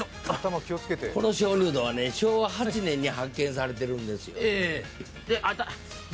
この鍾乳洞は昭和８年に発見されてるんですよ。